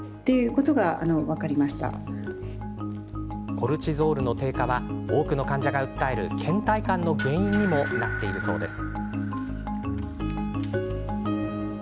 コルチゾールの低下は多くの患者が訴えるけん怠感の原因にもなっているそうです。